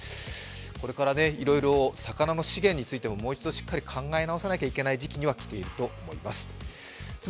これからいろいろ、魚の資源についてももう一度しっかり考え直さないといけない時期には来ていると思います。